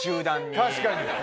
確かに。